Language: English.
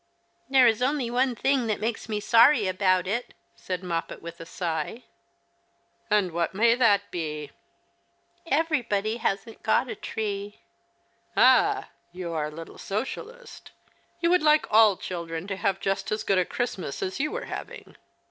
"There's only one thing that makes me sorry about it," said Moppet, Avith a sigh. " And what may that be ?"" Everybody hasn't got a tree." "Ah, you are a little socialist. You would like all children to have just as good a Christmas as you are having."